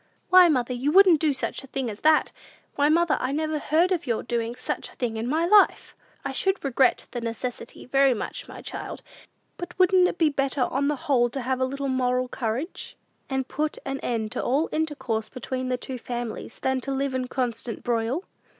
"Why, mother, you wouldn't do such a thing as that! Why, mother, I never heard of your doing such a thing in my life!" "I should regret the necessity very much, my child; but wouldn't it be better, on the whole, to have a little moral courage, and put an end to all intercourse between the two families, than to live in a constant broil?"